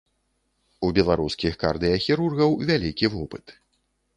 У беларускіх кардыяхірургаў вялікі вопыт.